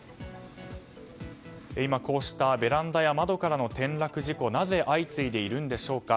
今、こうしたベランダや窓からの転落事故なぜ相次いでいるのでしょうか。